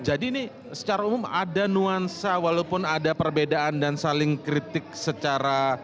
jadi ini secara umum ada nuansa walaupun ada perbedaan dan saling kritik secara